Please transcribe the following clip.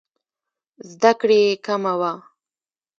زده کړې یې کمه وه.